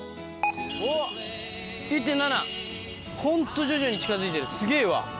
ホント徐々に近づいてるすげぇわ。